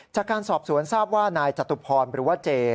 จากการสอบสวนทราบว่านายจตุพรหรือว่าเจ